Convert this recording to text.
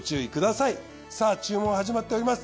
さぁ注文は始まっております。